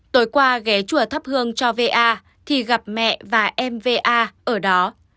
tối qua ghé chùa thắp hương cho va thì gặp mẹ và em va ở đó